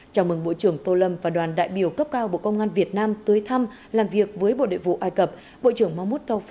chào mừng bộ trưởng tô lâm và đoàn đại biểu cấp cao bộ công an việt nam tới thăm làm việc với bộ đệ vụ ai cập